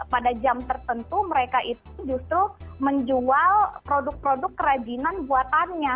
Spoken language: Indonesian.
pada jam tertentu mereka itu justru menjual produk produk kerajinan buatannya